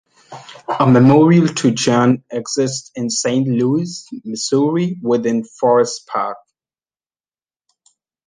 A memorial to Jahn exists in Saint Louis, Missouri, within Forest Park.